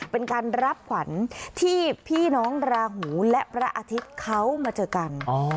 เป็นการรับขวัญที่พี่น้องราหูและพระอาทิตย์เขามาเจอกัน